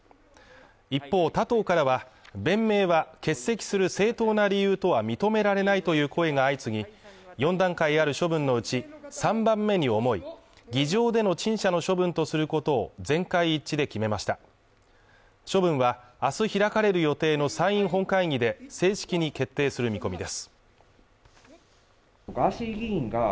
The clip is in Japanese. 一方他党からは、便名は欠席する正当な理由とは認められないという声が相次ぎ、４段階ある処分のうち３番目に重い議場での陳謝の処分とすることを全会一致で決めました処分は、あす開かれる予定の参院本会議で正式に決定する見込みです。